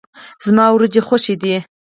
زما وريجي خوښي دي.